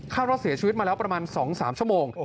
ว่าเสียชีวิตมาแล้วประมาณ๒๓ชั่วโมง